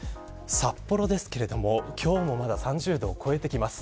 札幌ですが、今日もまだ３０度を超えてきます。